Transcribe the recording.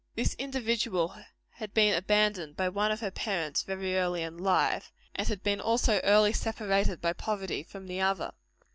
This individual had been abandoned by one of her parents very early in life, and had been also early separated by poverty from the other.